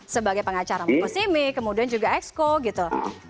sebagai pengacara mokosimi kemudian juga exco gitu